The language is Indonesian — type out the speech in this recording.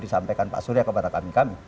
disampaikan pak surya kepada kami kami